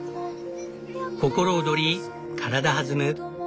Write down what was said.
心躍り体弾む